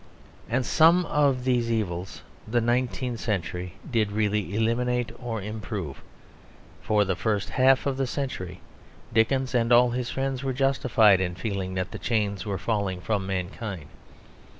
And some of these evils the nineteenth century did really eliminate or improve. For the first half of the century Dickens and all his friends were justified in feeling that the chains were falling from mankind.